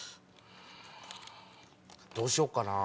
どうしよっかなぁ。